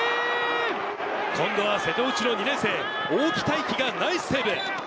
今度は瀬戸内の２年生・大木泰季がナイスセーブ。